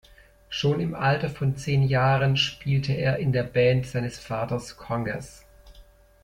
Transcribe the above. Schon im Alter von zehn Jahren spielte er in der Band seines Vaters Congas.